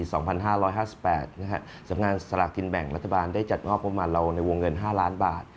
สำนักงานสลากกินแบ่งรัฐบาลได้จัดงบประมาณเราในวงเงิน๕ล้านบาท